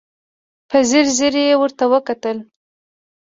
په ځير ځير يې ورته وکتل.